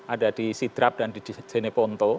ada di sidrap dan di jeneponto